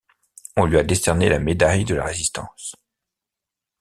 On lui a décerné la médaille de la Résistance.